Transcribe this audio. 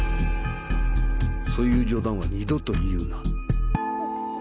そういう冗談は二度と言うな。